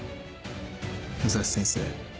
武蔵先生。